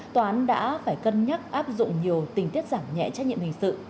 tòa án đã phải cân nhắc áp dụng nhiều tình tiết giảm nhẹ trách nhiệm hình sự